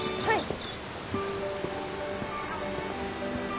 はい。